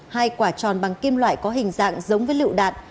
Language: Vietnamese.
hai quả tròn bằng kim loại có hình dạng giống với lựu đạn